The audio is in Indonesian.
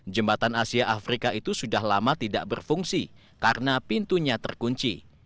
jembatan asia afrika itu sudah lama tidak berfungsi karena pintunya terkunci